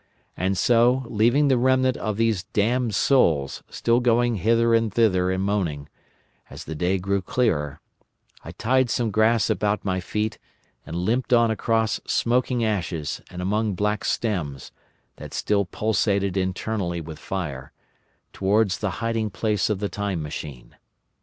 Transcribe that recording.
And so, leaving the remnant of these damned souls still going hither and thither and moaning, as the day grew clearer, I tied some grass about my feet and limped on across smoking ashes and among black stems that still pulsated internally with fire, towards the hiding place of the Time Machine.